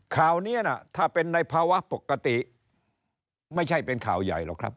ข่าวนี้นะถ้าเป็นในภาวะปกติไม่ใช่เป็นข่าวใหญ่หรอกครับ